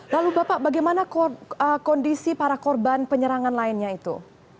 lalu bapak bagaimana kondisi para korban penyerangan lainnya itu